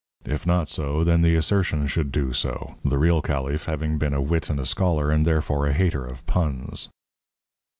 If not so, then the assertion should do so, the real caliph having been a wit and a scholar and therefore a hater of puns.